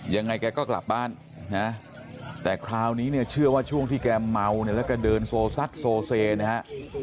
ยังไงแกก็กลับบ้านนะแต่คราวนี้เนี่ยเชื่อว่าช่วงที่แกเมาเนี่ยแล้วก็เดินโซซัดโซเซนะฮะ